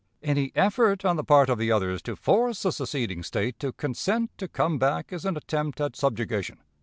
Any effort on the part of the others to force the seceding State to consent to come back is an attempt at subjugation.